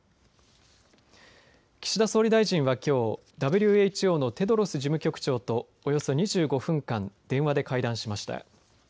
岸田総理大臣は、きょうＷＨＯのテドロス事務局長とおよそ２５分間電話で会談しました。